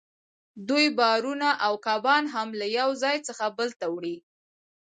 دوی بارونه او کبان هم له یو ځای څخه بل ته وړي